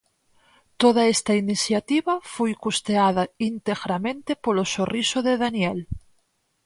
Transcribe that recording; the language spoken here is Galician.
Toda esta iniciativa foi custeada integramente polo Sorriso de Daniel.